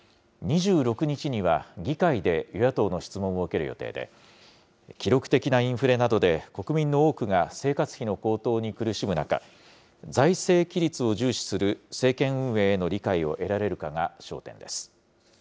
２６日には議会で与野党の質問を受ける予定で、記録的なインフレなどで国民の多くが生活費の高騰に苦しむ中、財政規律を重視する政権運営への理解を得られるかが焦点です。